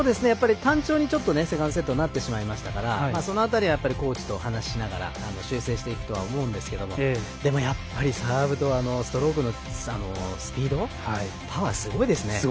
単調にセカンドセットになってしまいましたからその辺りはコーチと話しながら修正していくとは思うんですけどでも、やっぱりサーブとストロークのスピードパワーすごいですね。